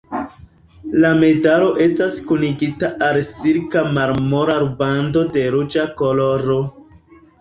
La medalo estas kunigita al silka marmora rubando de ruĝa koloro.